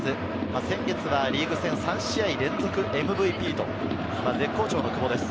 先月はリーグ戦３試合連続ＭＶＰと絶好調の久保です。